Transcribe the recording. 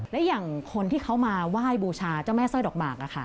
และอย่างคนที่เขามาไหว้บูชาเจ้าแม่สร้อยดอกหมาก